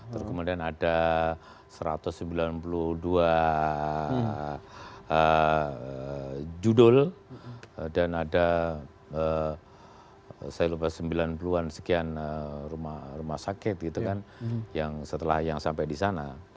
terus kemudian ada satu ratus sembilan puluh dua judul dan ada saya lupa sembilan puluh an sekian rumah sakit gitu kan yang setelah yang sampai di sana